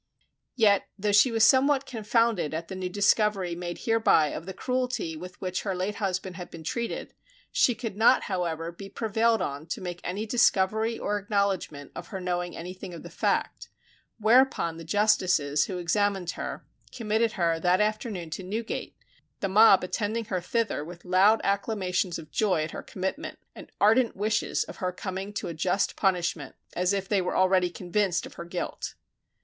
Yet, though she was somewhat confounded at the new discovery made hereby of the cruelty with which her late husband had been treated, she could not, however, be prevailed on to make any discovery or acknowledgment of her knowing anything of the fact; whereupon the justices who examined her, committed her that afternoon to Newgate, the mob attending her thither with loud acclamations of joy at her commitment, and ardent wishes of her coming to a just punishment, as if they were already convinced of her guilt.